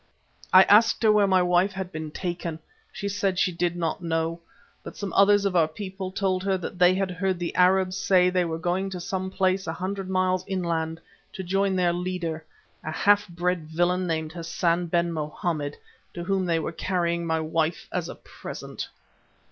"I asked her where my wife had been taken. She said she did not know, but some others of our people told her that they had heard the Arabs say they were going to some place a hundred miles inland, to join their leader, a half bred villain named Hassan ben Mohammed, to whom they were carrying my wife as a present.